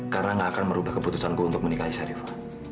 karena gak akan merubah keputusanku untuk menikahi sarifa